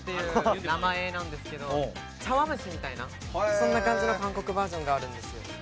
そんな感じの韓国バージョンがあるんですよ